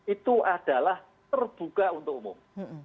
itu adalah terbuka untuk umum